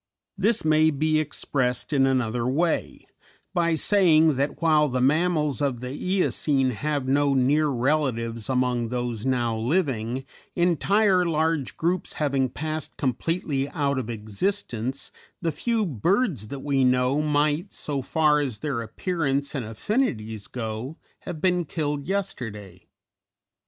This may be expressed in another way, by saying that while the Mammals of the Eocene have no near relatives among those now living, entire large groups having passed completely out of existence, the few birds that we know might, so far as their appearance and affinities go, have been killed yesterday.